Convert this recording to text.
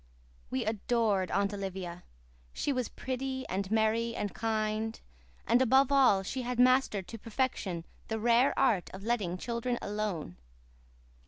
We adored Aunt Olivia; she was pretty and merry and kind; and, above all, she had mastered to perfection the rare art of letting children alone.